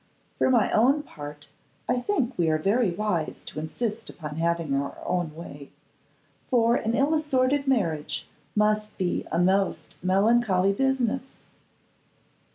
For my own part, I think we are very wise to insist upon having our own way, for an ill assorted marriage must be a most melancholy business.